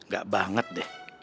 gak banget deh